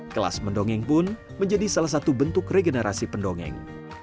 kelas mendongeng pun menjadi salah satu bentuk regenerasi pendongeng